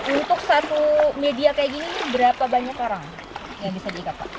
untuk satu media kayak gini berapa banyak orang yang bisa diikat pak